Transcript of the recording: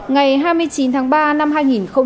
ngày hai mươi chín tháng ba năm hai nghìn hai mươi